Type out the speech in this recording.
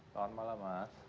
selamat malam mas